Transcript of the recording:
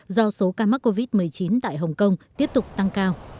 do số ca mắc covid một mươi chín tại hồng kông tiếp tục tăng cao